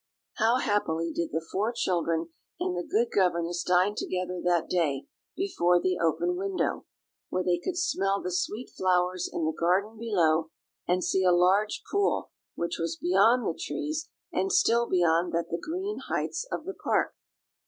How happily did the four children and the good governess dine together that day before the open window, where they could smell the sweet flowers in the garden below, and see a large pool which was beyond the trees, and still beyond that the green heights of the park.